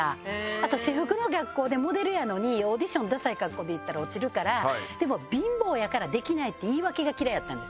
あと私服の学校でモデルやのにオーディションダサい格好で行ったら落ちるからでも貧乏やからできないって言い訳が嫌いやったんです。